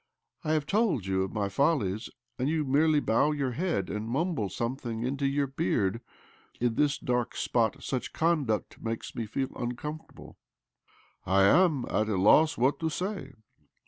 I have told you of my follies, and you merely bow your head and mumble something into your beard. In this dark spot such conduct makes me feel uncomfortable," " I am at a loss what to say.